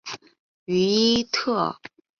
于伊特尔。